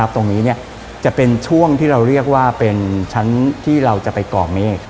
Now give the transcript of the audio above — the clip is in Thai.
ตรงนี้จะเป็นช่วงที่เราเรียกว่าเป็นชั้นที่เราจะไปก่อเมฆ